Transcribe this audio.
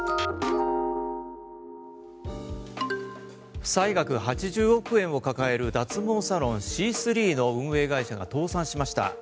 負債額８０億円を抱える脱毛サロン、シースリーの運営会社が倒産しました。